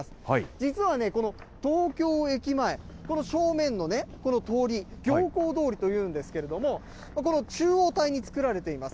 実はこの東京駅前、この正面のね、この通り、行幸通りというんですけれども、この中央帯に作られています。